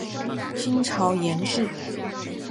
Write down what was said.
金朝沿置。